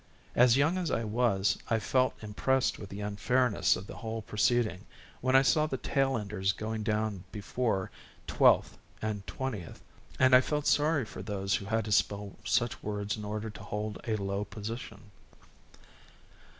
As young as I was, I felt impressed with the unfairness of the whole proceeding when I saw the tailenders going down before twelfth and twentieth, and I felt sorry for those who had to spell such words in order to hold a low position.